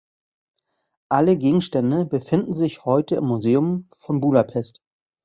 Alle Gegenstände befinden sich heute im Museum von Budapest.